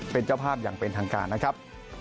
เป็นเจ้าภาพอย่างเป็นทางการนะครับ